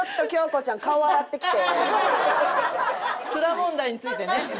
問題についてね。